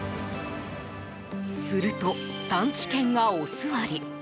すると探知犬がおすわり。